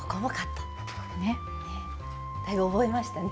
だいぶ覚えましたね。